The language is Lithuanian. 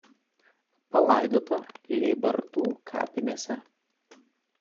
Palaidota Lėbartų kapinėse.